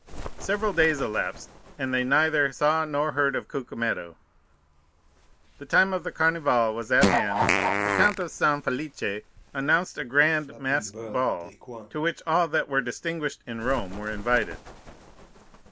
"Several days elapsed, and they neither saw nor heard of Cucumetto. The time of the Carnival was at hand. The Count of San Felice announced a grand masked ball, to which all that were distinguished in Rome were invited.